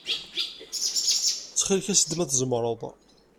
Ttxil-k as-d ma tzemreḍ.